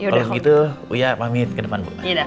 kalau begitu ya pamit ke depan bu